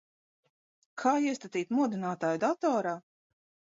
Kā iestatīt modinātāju datorā?